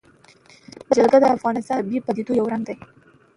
جلګه د افغانستان د طبیعي پدیدو یو رنګ دی.